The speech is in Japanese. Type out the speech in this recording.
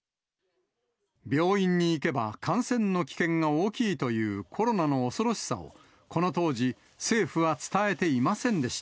病院に行けば、感染の危険が大きいというコロナの恐ろしさを、この当時、政府は伝えていませんでした。